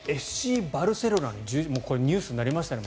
ＦＣバルセロナのこれ、ニュースになりましたね